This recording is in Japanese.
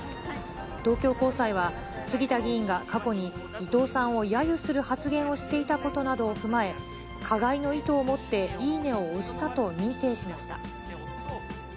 東京高裁は、杉田議員が過去に伊藤さんをやゆする発言をしていたことなどを踏まえ、加害の意図をもっていいねを押したと認定しました。